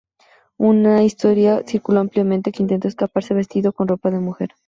Una historia circuló ampliamente que intentó escaparse vestido con ropa de mujer.